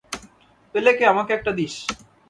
পেলে আমাকে একটা দিস।